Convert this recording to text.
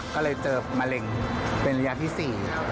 ก็เลยเจอมะเร็งเป็นระยะที่๔